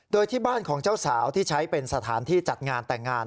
โดยที่บ้านของเจ้าสาวที่ใช้เป็นสถานที่จัดงานแต่งงาน